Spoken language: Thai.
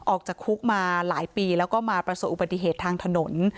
ออกจากคุกมาหลายปีแล้วก็มาประสบอุบัติเหตุทางถนน